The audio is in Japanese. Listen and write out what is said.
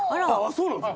そうなんです。